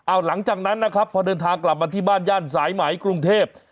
หลังจากนั้นนะครับพอเดินทางกลับมาที่บ้านย่านสายไหมกรุงเทพ